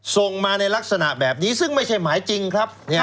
ส่งมาในลักษณะแบบนี้ซึ่งไม่ใช่หมายจริงครับ